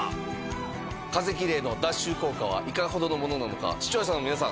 風きれいの脱臭効果はいかほどのものなのか視聴者の皆さん